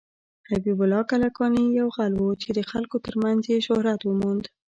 حبيب الله کلکاني يو غل وه ،چې د خلکو تر منځ يې شهرت وموند.